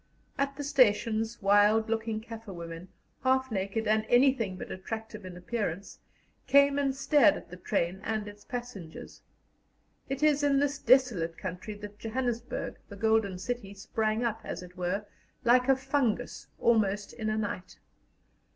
At the stations wild looking Kaffir women, half naked and anything but attractive in appearance, came and stared at the train and its passengers. It is in this desolate country that Johannesburg, the Golden City, sprang up, as it were, like a fungus, almost in a night.